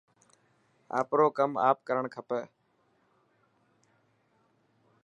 آپرو ڪم آپ ڪرڻ کپي.